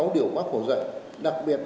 sáu điều bác hồ dạy đặc biệt